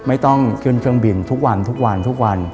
ไม่ต้องขึ้นเครื่องบินทุกวัน